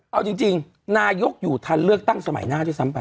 เอาจริงนายกอยู่ทันเลือกตั้งสมัยหน้าด้วยซ้ำไป